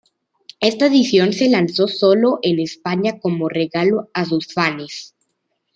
Esta edición se lanzó sólo en España como regalo a sus fanes.